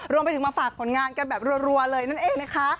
รวมไปถึงมาฝากผลงานกันแบบรัวเลยนั่นเองนะคะ